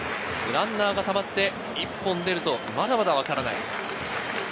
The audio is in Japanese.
ランナーがたまって１本出ると、まだまだわからない。